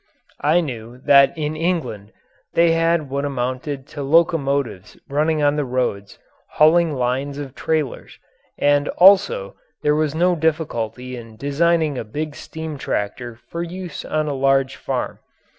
I knew that in England they had what amounted to locomotives running on the roads hauling lines of trailers and also there was no difficulty in designing a big steam tractor for use on a large farm.